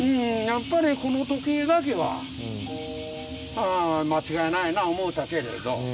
やっぱりこの時計だけは、間違いないな思うたけれど。